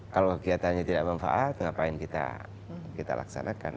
kalau kegiatannya tidak manfaat ngapain kita laksanakan